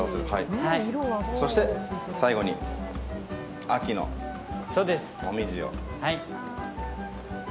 そして最後に秋のモミジを。